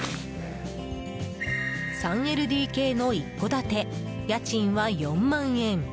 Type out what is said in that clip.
３ＬＤＫの一戸建て家賃は４万円。